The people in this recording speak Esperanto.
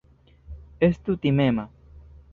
Estu timema.